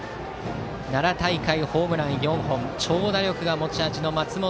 奈良大会ホームラン４本長打力が持ち味の松本。